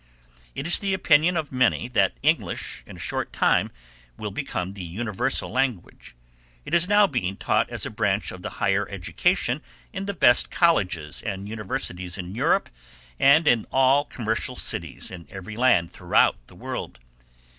It is the opinion of many that English, in a short time, will become the universal language. It is now being taught as a branch of the higher education in the best colleges and universities of Europe and in all commercial cities in every land throughout the world.